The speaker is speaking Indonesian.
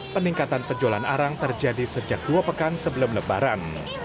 peningkatan penjualan arang terjadi sejak dua pekan sebelum lebaran